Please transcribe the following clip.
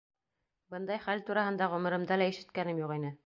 — Бындай хәл тураһында ғүмеремдә лә ишеткәнем юҡ ине.